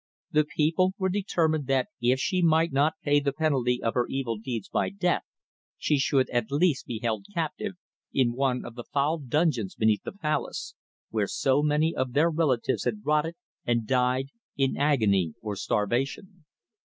The people were determined that if she might not pay the penalty of her evil deeds by death, she should at least be held captive in one of the foul dungeons beneath the palace, where so many of their relatives had rotted and died in agony or starvation.